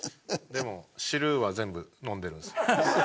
でも汁は全部飲んでるんですよ。